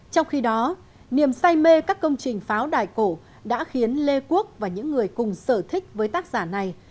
trong khi đó niềm say mê các công trình pháo đài cổ đã khiến lê quốc và những người cùng sở thích với tác giả này